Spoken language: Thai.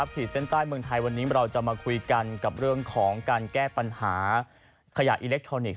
ขีดเส้นใต้เมืองไทยวันนี้เราจะมาคุยกันกับเรื่องของการแก้ปัญหาขยะอิเล็กทรอนิกส